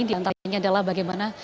diantaranya adalah bagaimana